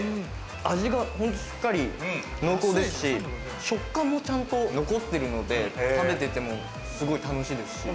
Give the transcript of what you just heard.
味がしっかり濃厚ですし食感もちゃんと残ってるので食べててもすごい楽しいですし。